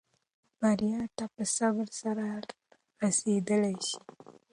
بریا ته په صبر سره رسېدلای شې.